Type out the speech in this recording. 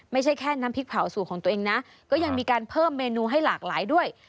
ไม่ใช่แค่น้ำพริกเผาสูตรของตัวเองนะก็ยังมีการเพิ่มเมนูให้หลากหลายด้วย